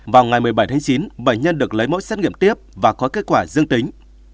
vào ngày một mươi bảy tháng chín bệnh nhân được lấy mẫu xét nghiệm tiếp và có kết quả dương tính